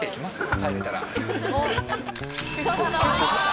入れたら。